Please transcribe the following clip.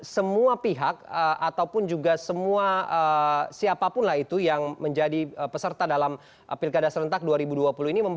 semua pihak ataupun juga semua siapapun lah itu yang menjadi peserta dalam pilkada serentak dua ribu dua puluh ini